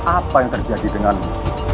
apa yang terjadi denganmu